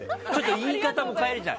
言い方も変えるじゃん。